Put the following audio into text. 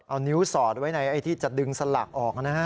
เอานิ้วสอดไว้ในไอ้ที่จะดึงสลักออกนะฮะ